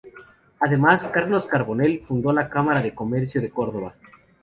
Además, Carlos Carbonell fundó la Cámara de Comercio de Córdoba.